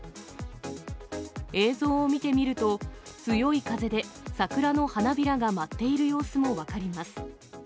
映像を見て見ると、強い風で桜の花びらが舞っている様子も分かります。